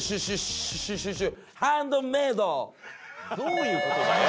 どういう事だよ。